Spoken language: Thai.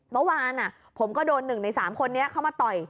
เมื่อวานอ่ะผมก็โดนหนึ่งในสามคนนี้เข้ามาต่อย